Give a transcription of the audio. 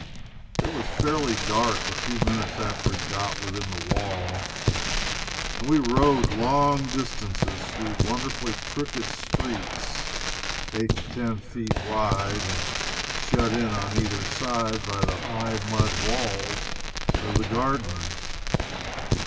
It was fairly dark a few minutes after we got within the wall, and we rode long distances through wonderfully crooked streets, eight to ten feet wide, and shut in on either side by the high mud walls of the gardens.